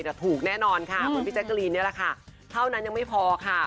แต่ถูกแน่นอนค่ะเหมือนพี่แจ๊กกะรีนนี่แหละค่ะเท่านั้นยังไม่พอค่ะ